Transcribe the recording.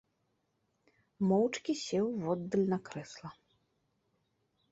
Моўчкі сеў воддаль на крэсла.